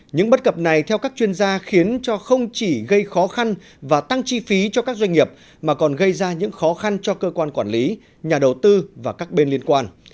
những bất cập này theo các chuyên gia khiến cho không chỉ gây khó khăn và tăng chi phí cho các doanh nghiệp mà còn gây ra những khó khăn cho cơ quan quản lý nhà đầu tư và các bên liên quan